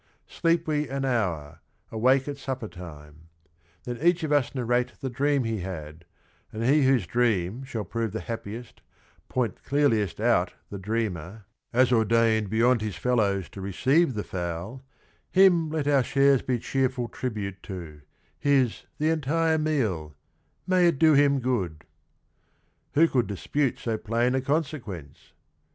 Sleep we an hour, awake at supper time, Then each of us narrate the dream he had, And he whose dream shall prove the happiest, point The clearliest out the dreamer as ordained Beyond his fellows to receive the fowl, Him let our shares be cheerful tribute to, His the entire meal, may it do him good 1 ' Who could dispute so plain a consequence?